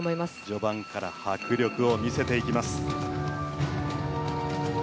序盤から迫力を見せていきます。